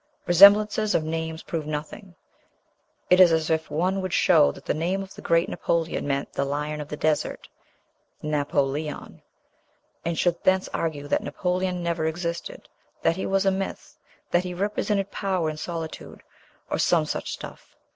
Resemblances of names prove nothing; it is as if one would show that the name of the great Napoleon meant "the lion of the desert" (Napo leon), and should thence argue that Napoleon never existed, that he was a myth, that he represented power in solitude, or some such stuff.